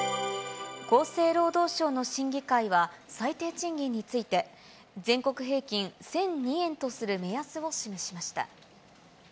厚生労働省の審議会は最低賃金について、全国平均１００２円とする目安を示しました。